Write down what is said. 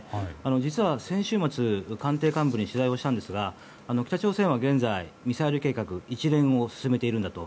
実は、先週末官邸幹部に取材をしたんですが北朝鮮は現在ミサイル計画一連を進めているんだと。